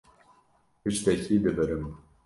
Tiştekî dibirim.